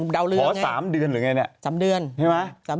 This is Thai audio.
ดาวเรืองหรอ๓เดือนหรือไงเนี่ย